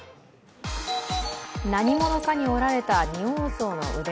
何者かに折られた仁王像の腕。